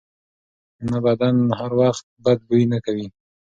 نه، بدن هر وخت بد بوی نه کوي.